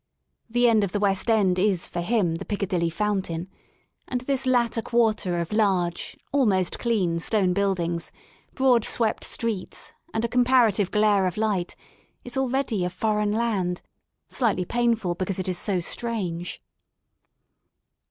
The end of the West End is for him the Piccadilly Fountain, and this latter quarter of large, almost clean, stone buildings, broad swept streets and a comparative glare of light, is already a foreign land, slightly painful because it is so stjange.